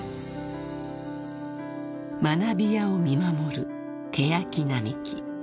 ［学びやを見守るケヤキ並木］